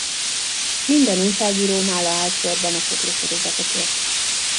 Minden újságíró nála állt sorban a fotósorozatokért.